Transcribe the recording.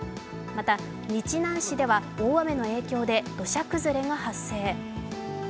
また日南市では大雨の影響で土砂崩れが発生。